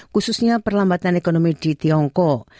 khususnya perlambatan ekonomi di tiongkok